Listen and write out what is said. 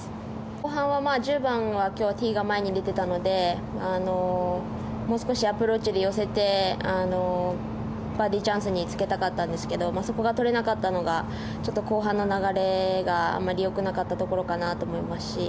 後半は１０番は今日ティーが前に出ていたのでもう少しアプローチで寄せてバーディーチャンスにつけたかったんですけどそこがとれなかったのがちょっと後半の流れがあまり良くなかったところかなと思いますし。